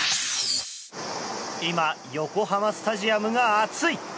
今、横浜スタジアムが熱い。